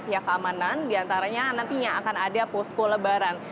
pihak keamanan diantaranya nantinya akan ada posko lebaran